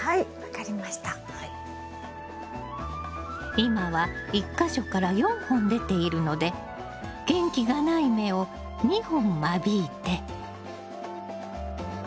今は１か所から４本出ているので元気がない芽を２本間引いて。